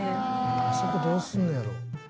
あそこどうすんのやろ？